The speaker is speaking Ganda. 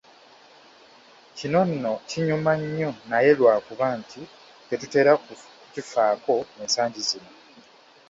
Kino nno kinyuma nnyo naye lwa kuba nti tetutera kukifaako ensangi zino.